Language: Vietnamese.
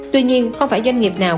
tuy nhiên không phải doanh nghiệp nào